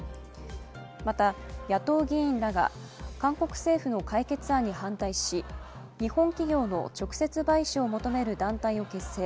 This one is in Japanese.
また、野党議員らが韓国政府の解決案に反対し、日本企業の直接賠償を求める団体を結成。